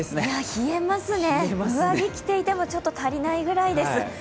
冷えますね、上着、着ていても足りないくらいです。